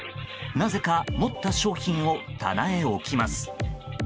なぜか持った商品を棚へ置きます。